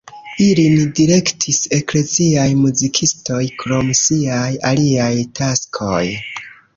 Ilin direktis ekleziaj muzikistoj krom siaj aliaj taskoj.